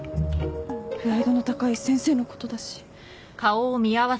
プライドの高い先生のことだし。